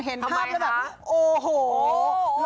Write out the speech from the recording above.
เห็นภาพไม่ได้แบบโอ้โห